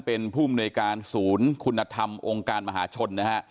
เป็นผู้มนวยการศูนย์คุณธรรมองค์การมหาชนนะฮะ